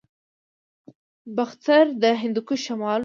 باختر د هندوکش شمال ته و